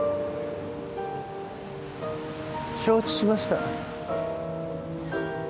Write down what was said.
承知しました。